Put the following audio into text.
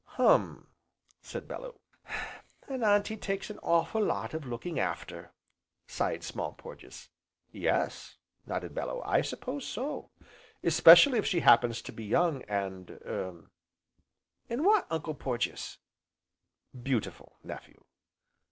"Hum!" said Bellew. "An Auntie takes an awful lot of looking after!" sighed Small Porges. "Yes," nodded Bellew, "I suppose so, especially if she happens to be young, and er " "An' what, Uncle Porges?" "Beautiful, nephew."